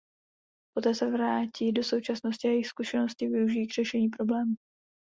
Poté se vrátí do současnosti a jejich zkušenosti využijí k vyřešení problému.